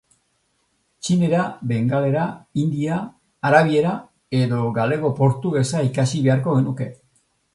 Txinera, bengalera, hindia, arabiera, edo galego-portugesa ikasi beharko genuke.